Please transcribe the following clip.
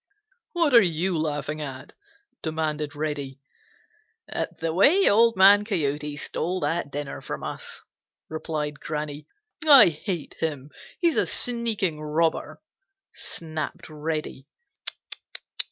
"What are you laughing at?" demanded Reddy. "At the way Old Man Coyote stole that dinner from us," replied Granny. "I hate him! He's a sneaking robber!" snapped Reddy.